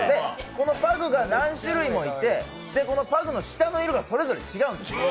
このパグが何種類もいてこのパグの舌の色がそれぞれ違うんです。